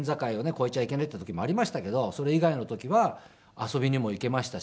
越えちゃいけないっていう時もありましたけどそれ以外の時は遊びにも行けましたし。